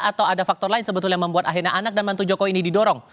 atau ada faktor lain sebetulnya membuat akhirnya anak dan mantu joko ini didorong